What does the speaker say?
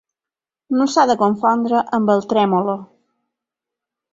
No s'ha de confondre amb el trèmolo.